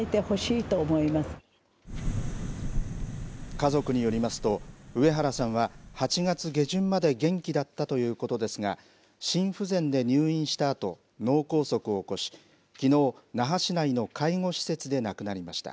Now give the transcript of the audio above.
家族によりますと上原さんは８月下旬まで元気だったということですが心不全で入院したあと脳梗塞を起こしきのう那覇市内の介護施設で亡くなりました。